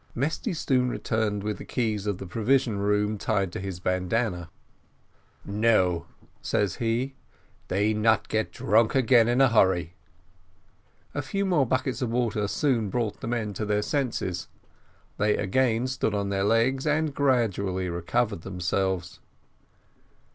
Mesty soon returned with the keys of the provision room tied to his bandana. "Now," says he, "they not get drunk again in a hurry." A few more buckets of water soon brought the men to their senses: they again stood on their legs, and gradually recovered themselves.